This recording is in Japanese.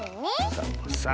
サボさん。